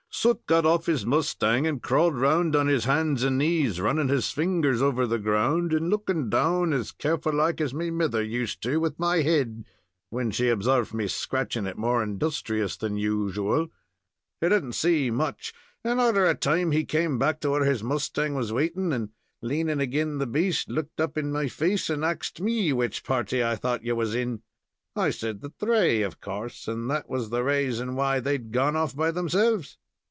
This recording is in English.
Soot got off his mustang and crawled round on his hands and knees, running his fingers over the ground, and looking down as careful like as me mither used to do with my head when she obsarved me scratching it more industrious than usual. He did n't say much, and arter a time he came back to where his mustang was waitin', and, leanin' agin the beast, looked up in my face, and axed me which party I thought you was in. I said the thray, of course, and that was the rason why they had gone off by themselves."